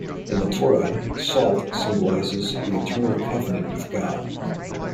In the Torah, salt symbolizes the eternal covenant with God.